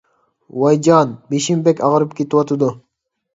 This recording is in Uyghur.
ۋايجان، بېشىم بەك ئاغرىپ كېتىۋاتىدۇ.